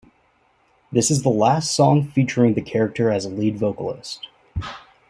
This is the last song featuring the character as a lead vocalist.